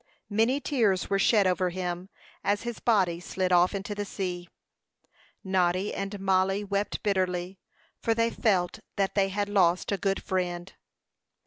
Many tears were shed over him, as his body slid off into the sea. Noddy and Mollie wept bitterly, for they felt that they had lost a good friend.